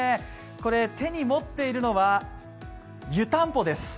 これ、手に持っているのはゆたんぽです。